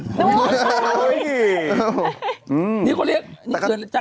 นี่ก็เรียกนี่คือตะกะแจ่น